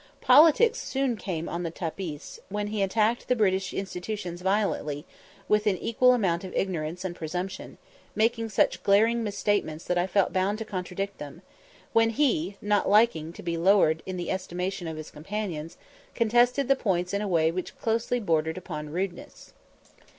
Politics soon came on the tapis, when he attacked British institutions violently, with an equal amount of ignorance and presumption, making such glaring misstatements that I felt bound to contradict them; when he, not liking to be lowered in the estimation of his companions, contested the points in a way which closely bordered upon rudeness.